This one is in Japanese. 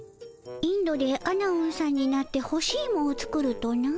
インドでアナウンさんになってほしいもを作るとな？